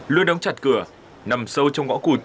luôn đóng chặt cửa nằm sâu trong ngõ cụt